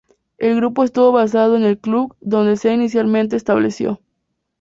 El grupo estuvo basado en Cluj, donde sea inicialmente estableció.